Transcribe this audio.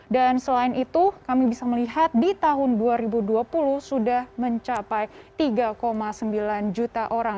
dan selain itu kami bisa melihat di tahun dua ribu dua puluh sudah mencapai tiga sembilan juta orang